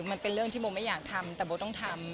มันเป็นเรื่องที่โบไม่อยากทำแต่โบต้องทำ